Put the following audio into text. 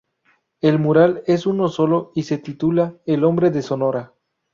El mural es uno solo y se titula "El hombre de Sonora".